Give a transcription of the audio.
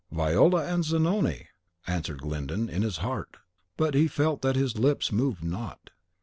"Viola and Zanoni!" answered Glyndon, in his heart; but he felt that his lips moved not.